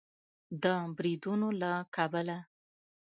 د بریدونو له کبله